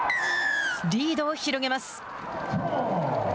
リードを広げます。